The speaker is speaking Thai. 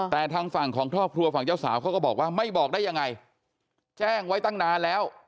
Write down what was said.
แต่ทางฝั่งของครอบครัวฝั่งเจ้าสาวเขาก็บอกว่าไม่บอกได้ยังไงแจ้งไว้ตั้งนานแล้ว